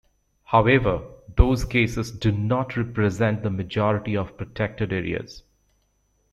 However, those cases do not represent the majority of protected areas.